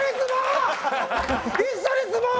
一緒に住もう！